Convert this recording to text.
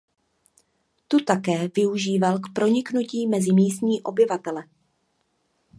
Tu také využíval k proniknutí mezi místní obyvatele.